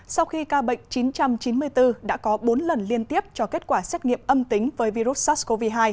sau khi ca bệnh chín trăm chín mươi bốn đã có bốn lần liên tiếp cho kết quả xét nghiệm âm tính với virus sars cov hai